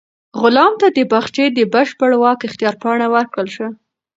غلام ته د باغچې د بشپړ واک اختیار پاڼه ورکړل شوه.